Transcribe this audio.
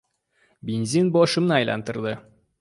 Benzin boshimni aylantiradi.